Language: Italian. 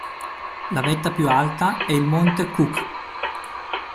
La vetta più alta è il Monte Cook.